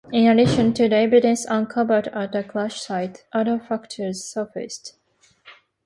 In addition to the evidence uncovered at the crash site, other factors surfaced.